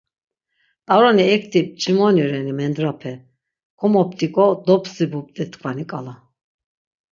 T̆aroni ekti mç̆imoni reni mendrape, komoptik̆o dopstibupti tkvani k̆ala?